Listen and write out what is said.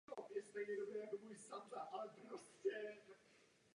Případ byl ale odložen pro nedostatek důkazů.